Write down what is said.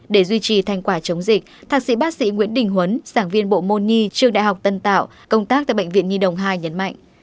để duy trì thành quả chống dịch thạc sĩ bác sĩ nguyễn đình huấn sản viên bộ môn nhi trường đại học tân tạo công tác tại bệnh viện nhi đồng hai nhấn mạnh